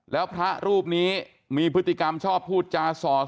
แล้วพระรูปนี้มีพฤติกรรมชอบพูดจาสอก